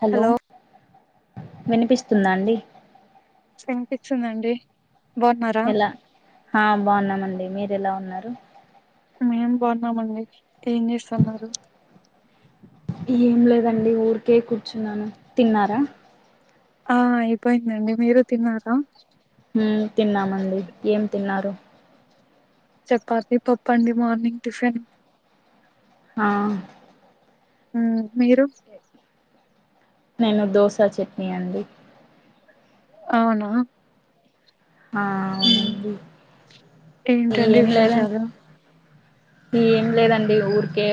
Hello వినిపిస్తుందా అండి ఫక్సిందండి ఎలా ఆ బాగున్నామండి మీరు ఎలా ఉన్నారు మేం బాగున్నామండి ఏం చేస్తన్నారు ఏం లేదండి ఊరికే కూర్చున్నాను తిన్నారా ఆ అయిపోయిందండి మీరు తిన్నారా తిన్నామండి ఏం తిన్నారు చపాతి పప్ప అండి మార్నింగ్ టిఫిన్ హా మీరు నేను దోశా చట్నీ అండి అవునా ఆ మ్మ్ అవునండి ఏంటండి ఏం లేదంటే విశేషాలు ఏం లేదండి ఊరికే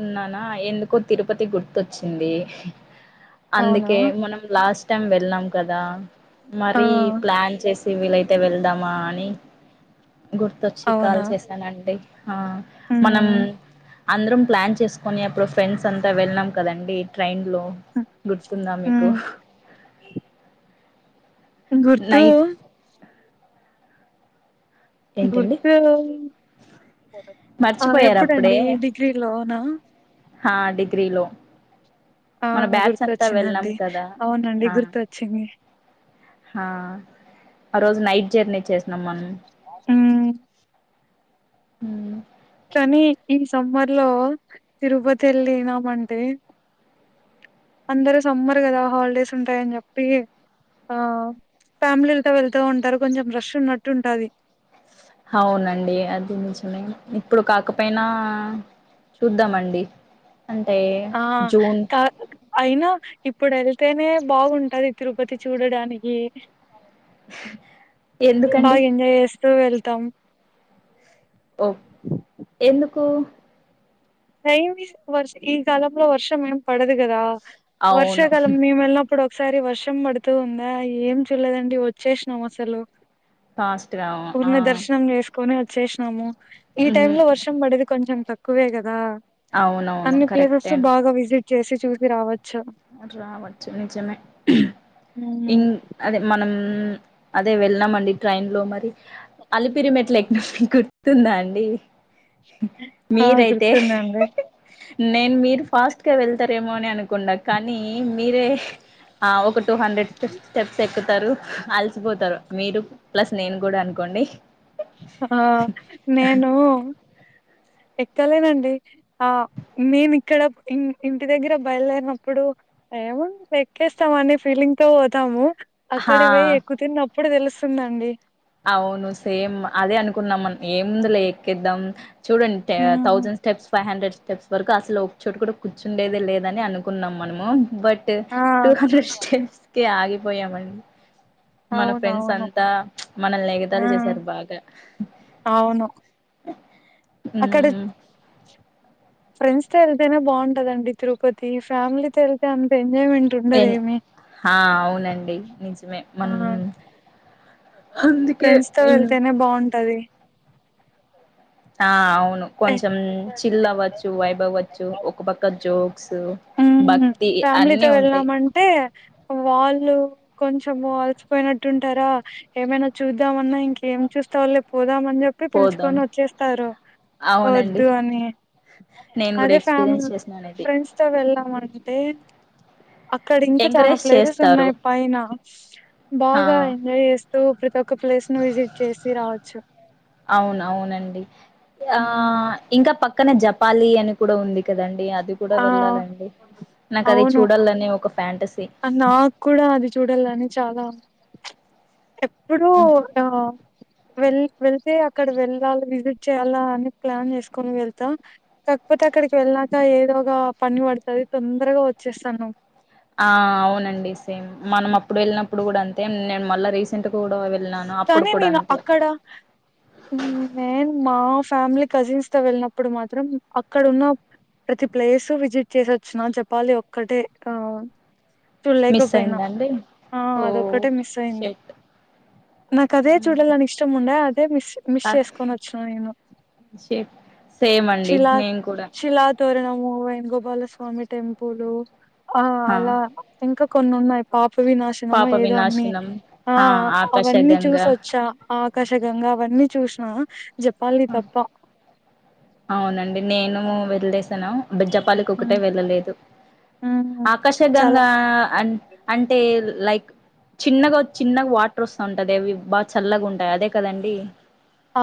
ఉన్నానా ఎందుకో తిరుపతి గుర్తొచ్చింది అవునా అందుకే మనం లాస్ట్ టైం వెళ్నాం కదా ఆ మర ప్లాన్ చేసి వీలైతే వెళ్దామా అని గుర్తొచ్చి కాల్ అవునా చేసానండి ఆ మనం మ్మ్ అందరం ప్లాన్ చేసుకుొని అప్పుడు ఫ్రెండ్స్ అంతా వెళ్ళనాం కదండడి ట్రైన్ లో గుర్తుందా మీకు మ్మ్ గుర్తుూ నైట్ ఏంటండి గుర్తు ఆ మర్చిపోయారు ఎప్పుడంండి డిగ్రీలో నా హా డిగ్రీ లో ఆ మన బ్యాచ్స్ అంతా వెళ్ళం గుర్తొచ్చిందండి కదా అవునండి గుర్తొచ్చింది ఆ ఆ రోజు నైట్ జర్నీ చేసినం మనం మ్మ్ హ కానీ ఈ సమ్మర్ లో తిరుపతి వెళ్ళనామంటే అందరు సమ్మర్ కదా హాలిడేస్ ఉంటాయని చెప్పి ఆ ఫ్యామిలీలతో వెళ్తూ ఉంటారు కొంచెం ర్రష్ ఉన్నట్టు ఉంటుది అవునండి అది నిజమే ఇప్పుడు కాక ఒక పనా చూద్దామండి అంటే ఆ జూన్ అయినా ఇప్పుడు వెళ్తేనే బాగుంటది తిరుపతి చూడడానికి ఎందుకండి ఎ వెళ్తాం కు టైమి వర్ష ఈ కాలంలో వర్షం ఏం పడదు కదా అవును వర్షాకాలం మేము ఎల్లినప్పుడు ఒక ఒకసారి వర్షం పడుతూ ఉందా ఏం చూడలేదండి వచ్చేసినం అసలు ఫాస్ట్ గా ఏమో ఆ కొని వచ్చేసినాము ఈ టైమ్ మ్మ్ లో వర్షం పడేది కొంచెం తక్కువే కదా అవునవును అన్ని ప్లేసెస్ కరెక్టే బాగా విజిట్ చేసి చూసి రావ రావచ్చు నిజమే ఉమ్. ఇం అది మనం అదే వెళ్ళాంమండి ట్రైన్ లో మరి అలిపిరిమెట్లు ఎక్కినం మరి గు ర్తుందా అండి ఆ మీరైతే గుర్తుందండి నేను మీరు ఫాస్ట్గా వెళ్తారేమో అని అనుకుండా కానీ మీరే ఆ ఒక టూ హండ్రెడ్ స్టెప్స్ ఎక్కుతారు అలసిపోతారు. మీరు ప్లస్ నేను కూడా అనుకోండి ఆ నేను ఎక్కలేనండి. ఆ నేను ఇక్కడ ఇంటి దగ్గర బయలుదేరినప్పుడు ఏముంది ఎక్కేస్తాం అనే ఫీలింగ్ తో పోతము. అక్కడ హా పోయి ఎక్కుతున్నప్పుడే తెలుస్తుందండి. అవును సేమ్ అదే అనుకున్నాం. ఏముంది లే ఎక్కేద్దాం. చూడండి ఉమ్. Thousand steps five hundred steps వరకు అసలు ఒక చోటు కూడా కూర్చుండేదే లేదని అనుకున్నాం. మనము బట్ ఆ టూ హండ్రెడ్ స్టేస్ కే ఆగిపోయామండి. మన ఫ్రెండ్స్ అవునవును అంతా మనల్ని ఆ ఏగతాలీ చేశారు బాగా అవును అక్కడ మ్మ్ ఫ్రెండ్స్ తో వెళ్తేనే బాగుంటదండి. తిరుపతి ఫ్యామిలీతో వెళ్తే అంతే ఎన్ అవునండి. నిజమే ఆ మనం అందుకే ఫ్రెండ్స్ తో ఇం వెళ్తేనే బాగుంటది. ఆవున్ కొంచం చిల్ అవ్వచ్చు వైబ్ అవ్వచ్చు. ఒక పక్క జోక్స్ భక్తి అన్నీ ఫ్యామిలీతో ఉంటాయి వెళ్ళామంటే వాళ్ళు కొంచెం అలసిపోయినట్టుంటారా ఏమైనా చూద్దామన్నా ఇంకేం చూస్తావులే పో చూద్దామని చెప్పి పోదాం పిలుచుకొని వోచ్చేస్తారు. అవునండి వొద్దు అని నేను కూడా అదే ఫ్యామీ ఎక్స్పీరియన్స్ చేసినాను ఇది ఫ్రెండ్స్ తో వెళ్ళా ళ్దాం అంటే అక్కడ ఇంకా చాలా ఎంకరేజ్ ప్లేసెస్ చేస్తారు ఉన్నాయి. పైన ఆ బాగా ఎంజాయ్ చేస్తూ ప్రతి ఒ క ప్లేస్ ను విజిట్ చేసి రావచ్చు. అవును అవునండి ఆ హ్మ్ ఇంకా పక్కనే జపాలి అని కూడా ఉంది. కదండి అది కూడా ఆ వెళ్ళాలండి. నాకు అది అవును చూడాలని ఒక ఫ్యాంటసీ నాకు కూడా అది చూడాలని చాలా ఎప్పుడు హ్మ్. వెల్లి వెళ్తే అక్కడ వెళ్ళాలి. విజిట్ చేయ్యాలా అని ప్లాన్ చేసుకొని వెళ్తాం కాకపోతే అక్కడికి వెళ్ ళ్ళక ఏదో ఒక పని పడుతది. తొందరగా వచ్చేస్తాను. ఆ అవునండి సేమ్ మనం అప్పుడు వెళ్ళినప్పుడు కూడా అంతే నేను మళ్ళా రీసెంట్ కూడా వె కానీ నేను అక్కడ నేన్ మా ఫ్యామిలీ కజిన్స్ తో వెళ్ళినప్పుడు మాత్రం అక్కడ ఉన్న ప్రతి ప్లేసు విజిట్ చేసొచ్చినం జెపాలి ఒక్కటే ఆ మిస్ చూడలేకపోయినా అయిందండి ఆ ఓ అదొక్కటే మిస్ అయింది. షట్ నాకు అదే చూడాలని ఇష్టం ఉండే అదే మిస్ మిస్ చేసుకొని వొచ్చినా నేను షట్ సేమ్ అండి శిలా నేను కూడా షిలా తోరణం వేనుగోపాలస్వామి టెంపుల్ ఆ అలా ఇంకా కొన్ని ఉన్నాయి. పాప పవినాశనమో పాప ఏదో అన్ని వినాశనం ఆ అవన్నీ చూసొచ్చా ఆకాశా గంగా అవన్నీ చూసిన జేపాలి. తప్ప అవునండి. నేను వెల్లేసాను. అంటే జపాలికి ఒకటే హ్మ్. వెళ్ళలేదు. హ్మ్ చాలా ఆకాశగంగా అ అంటే లైక్ చిన్నగా చిన్నగా వాటర్ వస్తా ఉంటాంది. అవి బాగా చల్లగా ఉంటాయి అదే కదండి.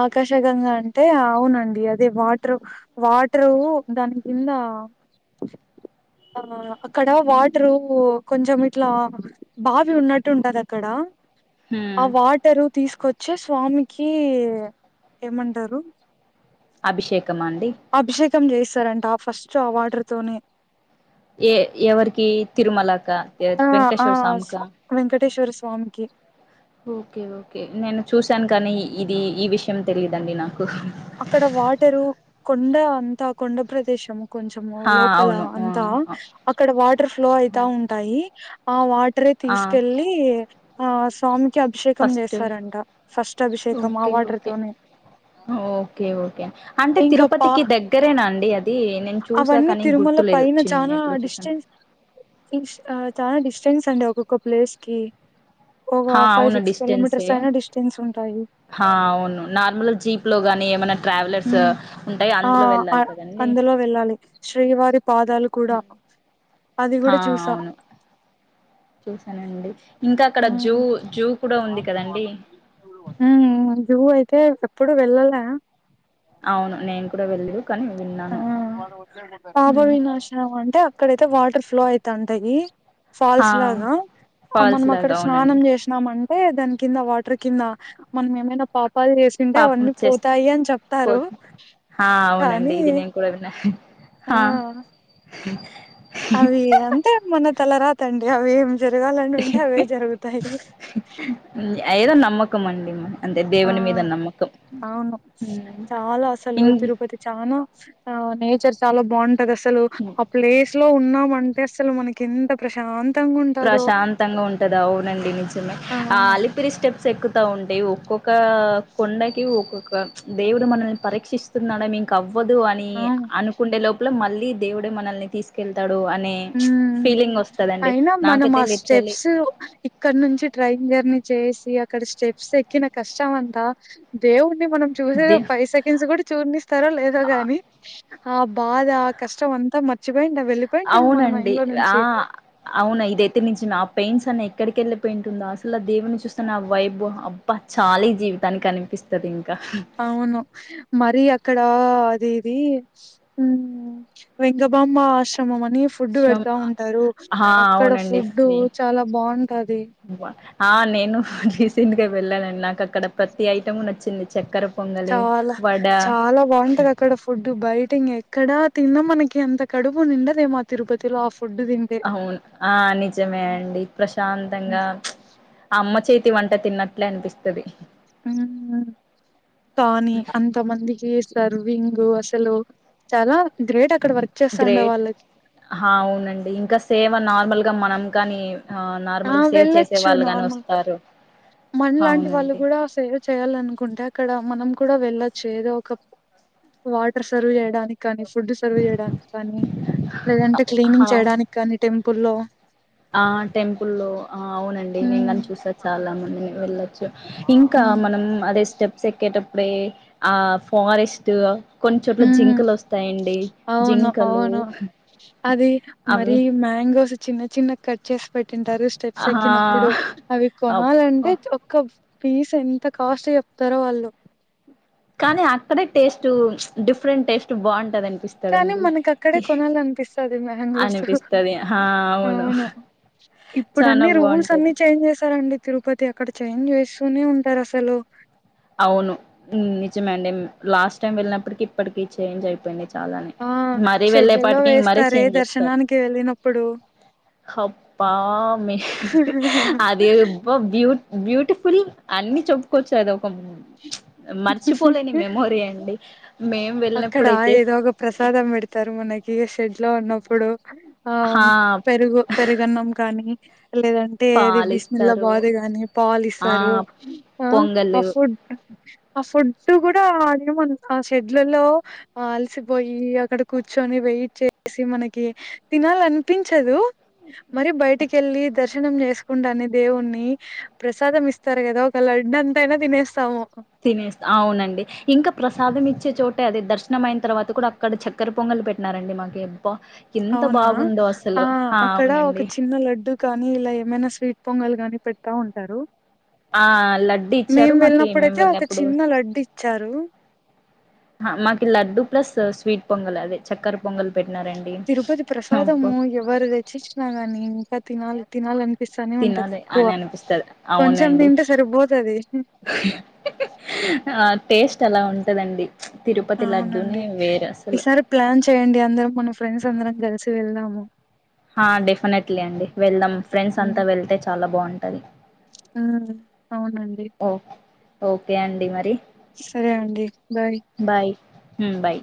ఆకాశ గంగా అంటే అవునండి అదే వాటరు వాటరు దాని కింద అ ఆ అక్కడ వాటరు కొంచెం ఇట్లా బావి ఉన్నట్టు ఉంటది అక్కడ ఆ హ్మ్ వాటరు తీసుకొచ్చే స్వామికి ఏమంటారు అభిషేక్ అభిషేకం చేస్తారంట ఫస్ట్ ఆ వాటర్తోనే ఏ ఎవరికి తిరుమల కా ఆ ఆ వెంకటేశ్వర స్వామి కా స్వ వెంకటేశ్వర స్వామికి ఓకే ఓకే నేను చూశాను కానీ ఇది ఈ విషయం తెలీదండి నాకు అక్కడ వాటరు కొండ అంతా కొండ ప్రదేశము కొంచము ఆ లోపల అవును అంతా ఆ అక్కడ వాటర్ ఫ్లో అయితా ఉంటాయి ఆ వాట్ ట్రే ఆ తీసుకెళ్ళలి ఆ స్వామి కీ అభిషేకం ఫస్ట్ చేస్తారంట ఫస్ట్ అభిషేకం ఆ ఓకే వాటర్ ఓకే తోనే ఓకే ఓకే అంటే ఇంకా పా తిరుపతికి దగ్గరేనా అండి అది నేను చూసా అవన్నీ కానీ తిరుమల గుర్తులేదు పైన చిన్న చనా ఎప్పుడో చూసాను డిస్టెన్స్ చానా డిస్ ఫ్రెన్స్ అండి ఒక్కొక్క ప్లేస్ కి ఒక హా ఫైవ్ అవును సిక్స్ డిస్టెన్సే కిలోమీటర్స్ అయినా డిస్టెన్స్ ఉంటాయి అవును నార్మల్గా జీప్ లో గాని ఏమైనా ట్రావెలర్స్ హ్మ్ ఉంటాయి ఆ అందులో వెళ్ళాలి కదండి అందులో వెళ్ళాలి శ్రీవారి పాదాలు కూడా అది హా కూడా చూసా అవును చూసానండి ఇంకా అక్కడ జూ హ్మ్ జూ కూడా ఉంది కదండి ఉహ్ జు అయితే ఎప్పుడు వెళ్ళాలె అవును నేను కూడా వెళ్ళేదు ఆ పాప హ్మ్. వినాశనం అంటే అక్కడయితే వాటర్ ఫ్లో అయిత ఉంటయి హా ఫాల్స్ లాగా ఫాల్స్ మనం అక్కడ లాగా స్నానం అవునండి చేసినాం అం టే దాని కింద వాటర్ కింద మనం ఏమైనా పా పల్ చేసింటే పాపం అవన్నీ చేస్ పోతాయి అని పో చెప్తారు హా కానీ అవునండి ఇది నేను కూడా విన్నా ఆ ఆహ్ అవి అంతే మన తల రాతండి అవి జరగాలని ఉంటే అవే జరుగుతాయి ఏదో నమ్మకం అండి అంతే ఆ దేవుని మీద నమ్మకం అవును చాలా అసలు ఇం తిరుపతి చాలా ఆ నేచర్ చాలా బాగుంటది అసలు ఆ ప్లేస్ ఉన్నామంటే అసలు మనకి ఎంత ప్రశాం ప్రశాంతంగా ఉంటదా అవునండి నిజమే ఆ అలిపిరి స్టెప్స్ ఎక్కు తా ఉంటే ఒక్కొక్క కొండకి ఒక్కొక్క దేవుడు మనల్ని పరీక్షిస్తున్నాడ మీ కంప్ అవ్వదు అని అవును అనుకుండే లోపల మళ్ళీ దేవుడే మనల్ని తీసుకెళ్తాడు అనే ఉమ్ ఫీలింగ్ వస్తదండి అయినా మనం ఆ నాకైతే లిటరలీ స్టెప్స్ ఇక్కడ నుంచి ట్రైన్ జర్నీ చేసి అక్కడ స్టెప్స్ ఎక్కిన కష్టం అంతా దేవు డిని మనం చూసే దే ఒక ఫైవ్ సెకండ్స్ కూడా చూర్ణిస్తారో లేదో గాని ఆ బాధ ఆ కష్టం అంత మర్చపోయి నవ్ వెలిపోయి అవునండి ఆ అవునా ఇదైతే నుంచి మా పెయింన్స్ అనే ఏక్కడికేళ్ళ పెయింటదో అసలు ఆ దేవుని చూస్తున్న ఆ వైబ్ చాలీ జీవితానికి అనిపిస్తది ఇం అవును మరి అక్కడ అదేది వెంగమాంబా ఆశ్రమం అం ని ఫుడ్ షం పెడతా ఉంటరు ఆ అక్కడ అవునండి ఫుడ్ ఫ్రీ చాలా బావుంటది ఆ నేను రీసెంట్గా వెళ్ళానండి నాకు అక్కడ ప్రతి ఐటము నచ్చింది చక్కెర పొంగలి చాల వడ చాలా బాగుంటదక్కడ ఫుడ్ బయటింగేక్కడా తిన్న మనకి ఎంత తిన్న కడుపు నిండదే మా తిరుపతిలో ఫుడ్ తింటే అవును ఆ నిజమే అండి ప్రశాంతంగా ప్చ్ అమ్మ చేతి వంట తిన్నట్లే అనిపిస్తది కానీ అంత మందికి ఇస్తారు అసలు చాలా గ్రేట్ అక్కడ వర్క్ చేస్తాండే గ్రేట్ వాళ్ళకి హ అవునండి ఇంకా సేవ నార్మల్ గా మనం గాని ఆ ఆ నార్మల్గా సేవ చేసే వాళ్ళుగాని ఓస్తారు మన లాంటి వాళ్ళు కూడా సేవ చేయాలనుకుంటే అక్కడ మనం కూడా వెళ్ళొచ్చు ఏదో ఒక వాటర్ సర్వ్ చేయడానికి కానీ ఫుడ్ సర్వ్ చేయడానికి కానీ లేదంటే హా క్లీనింగ్ చేయడానికి కానీ టెంపుల్లో ఆ టెంపుల్ల్లో ఆ అవునండి నేను హ్మ్ అవి చూసా చాలా మంది వెళ్ళొచ్చు ఇంకా హ్మ్ మనం అదే స్టెప్స్ ఎక్కే టప్పుడే ఆ ఫారెస్ట్ అ కొన్ని చోట్ల హ్మ్. జింకలోస్తాయండి అవును జింకలు అవును అది మరి అవి మ్యాంగోస్ చిన్న చిన్న కట్ చేసి పెట్టింటారు స్టెప్స్ ఆహా ఎక్కినప్పుడు అవి అబ్బా కొనాలంటే తో కప్ ఫీస్ ఎంత కాస్ట్ చెప్తరో వాళ్ళు కానీ అక్కడే టేస్ట్ డిఫరెంట్ టేస్ట్ బాగు ఉంటది కానీ మనకు అక్కడే కొనాలనిపిస్తది మ్యాంగోస్ అనిపిస్తది హా అవును ఇప్పుడు చానా అన్ని రూల్స్ బాగుంటది అన్ని చేంజ్ చేసారండి తిరుపతి అక్కడ చేంజ్ చేస్తూనే ఉంటారు అసలు అవును నిజమే అండి లాస్ట్ టైం వెళ్ళినప్పటికి ఇప్పటికిీ చేంజ్ అయిపోయింది నిజంగా అలాగే ఆ మరీ షెడ్లలో వెళ్ళేపాటికి మరీ వేస్తారే చేంజ్ చేస్తరు దర్శనానికి వెళ్ళినప్పుడు అబ్బా మీ అది అబ్బ బ్బ్యూటిఫుల్ అన్ని చెప్పుకోవచ్చు అది ఒక మర్చిపోలేని మెమోరీ అండి మేము అక్కడ వెళ్ళినప్పుడైతే ఏదో ఒక ప్రసాదం పెడతారు మనకి షెడ్ లో ఉన్నప్పుడు ఆ హా పెరుగు పెరుగన్నం కానీ లేదంటే అది బీస్మిల్ల పాలిస్తారు బాదు గాని పాలు ఆ ఇస్తారు ఆ ఆ పొంగలు ఫుడ్ ఆ ఫుడ్ గుడా అదేమో అసెడ్ ఇడ్లలో ఆ అలసిపోయి అక్కడ కూర్చొని వెయిట్ చేసి మనకి తినాలని పించదు మరి బయటికి కెళ్ళి దర్శనం చేసుకుంటడానే దేవుని ప్రసాదం ఇస్తారు గదా ఒక లడ్డు అంతయినా తినేస్తాము అవునండి ఇంక ప్రసాదం ఇచ్చే చోటు అంటే అదే దర్శనం అయిన తర్వాత కూడా అక్కడ చెక్కెరి పొంగలు పెట్టినారండి మాకీ అవునా ఆ అక్కడ ఒక చిన్న లడ్డు కానీ ఇలా ఏమైనా స్వీట్ పొంగలు కాని పెడుతా ఉంటారు ఆ లడ్డు ఇచ్చారు మేం మాకి మేము వెళ్ళినప్పుడైతే ఒక వెళ్ళినప్పుడు చిన్న లడ్డు ఇచ్చారు హ మాకు లడ్డు ప్లస్ స్వీట్ పొంగల్ అదే చక్కర పొంగల్ పెట్టినారండి తిరుపతి అబ్బో ప్రసాదము ఎవరు తెచ్చించినా గనీ ఇంక తినాలి తినాలి అనిపి స్తానే ఉంటది తినాలి ఎక్కువ అని అనిపిస్తది కొంచెం అవునండి తింటే సరిపోతది ఆ టేస్ట్ అలా ఉంటదండి తిరుపతి లడ్డూనే అవునండి వేరు అసలు ఈసారి ప్లాన్ చేయండి అందరం మన ఫ్రెండ్స్ అందరం గలిసి వెళ్దాము ఆ డెఫినెట్లీ అండి వెళ్దాం ఫ్రెండ్స్ అంతా వెళ్తే చాల బావుంటది ఆ అవునండి ఓకే అండి మరి సరే అండి బాయ్ మ్మ్ బాయ్